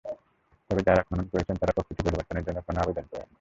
তবে যাঁরা খনন করেছেন, তাঁরা প্রকৃতি পরিবর্তনের জন্য কোনো আবেদন করেননি।